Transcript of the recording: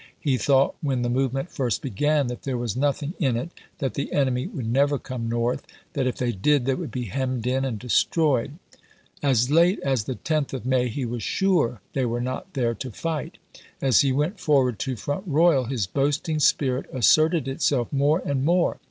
He thought when the movement first began that there was nothing in it ; that the enemy would never come north ; that if they did, they would be hemmed in and destroyed. As late as the 10th of May he was sure " they were 1862. not there to fight." As he went forward to Front ^r. k. Royal his boasting spirit asserted itself more and part"!!!.; more.